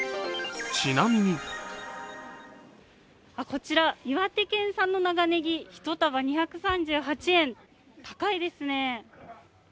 こちら、岩手県産の長ネギ、１束２３８円、高いですね。